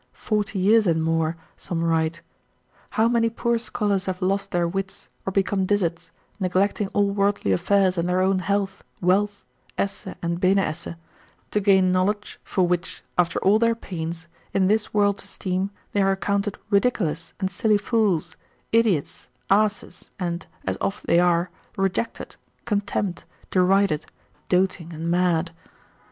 forty years and more, some write: how many poor scholars have lost their wits, or become dizzards, neglecting all worldly affairs and their own health, wealth, esse and bene esse, to gain knowledge for which, after all their pains, in this world's esteem they are accounted ridiculous and silly fools, idiots, asses, and (as oft they are) rejected, contemned, derided, doting, and mad.